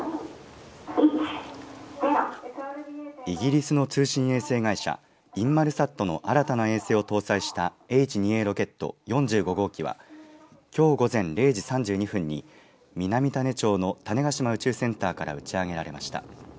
イギリスの通信衛星会社インマルサットの新たな衛星を搭載したＨ２Ａロケット４５号機はきょう午前０時３２分に南種子町の種子島宇宙センターから打ち上げられました。